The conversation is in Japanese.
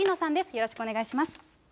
よろしくお願いします。